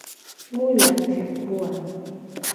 Mu la ci kpo o a?